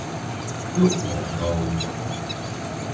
旭龢道